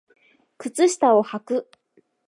靴下をはく